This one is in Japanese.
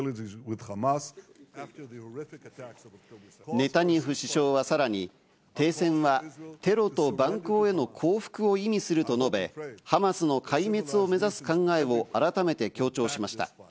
ネタニヤフ首相はさらに、停戦はテロと蛮行への降伏を意味すると述べ、ハマスの壊滅を目指す考えを改めて強調しました。